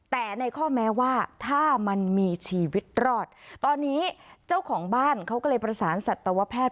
แต่ในข้อแม้ว่าถ้ามันมีชีวิตรอดตอนนี้เจ้าของบ้านเขาก็เลยประสานสัตวแพทย์